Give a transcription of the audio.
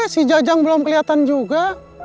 si jajang belum kelihatan juga